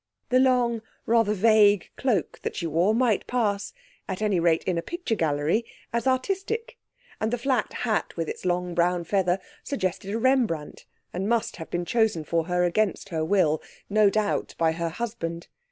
The long, rather vague cloak that she wore might pass at any rate, in a picture gallery as artistic, and the flat hat with its long brown feather suggested a Rembrandt, and must have been chosen for her against her will, no doubt by her husband.